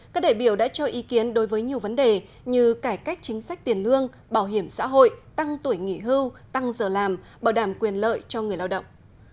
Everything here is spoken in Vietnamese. các đại biểu đã cho ý kiến đối với nhiều vấn đề như cải cách chính sách tiền lương bảo hiểm xã hội tăng tuổi nghỉ hưu tăng giờ làm bảo đảm quyền lợi cho người lao động